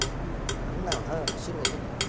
あんなのただの素人だよ。